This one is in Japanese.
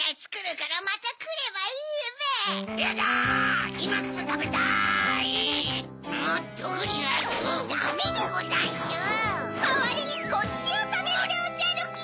かわりにこっちをたべるでおじゃる。